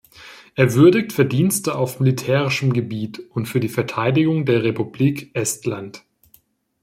Er würdigt Verdienste auf militärischem Gebiet und für die Verteidigung der Republik Estland.